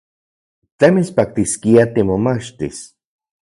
¿Tlen mitspaktiskia timomachtis?